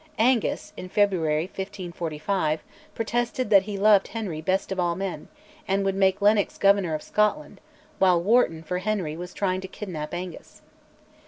Angus, in February 1545, protested that he loved Henry "best of all men," and would make Lennox Governor of Scotland, while Wharton, for Henry, was trying to kidnap Angus.